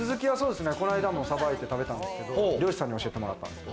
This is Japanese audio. こないだもさばいて食べたんですけど、漁師さんに教えてもらったんです。